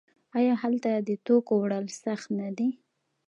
آیا هلته د توکو وړل سخت نه دي؟